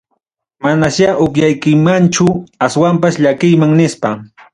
Manasya upiaykimanchu, aswampas llakiyman nispa.